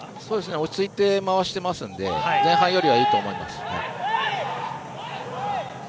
落ちついて回してますので前半よりいいと思います。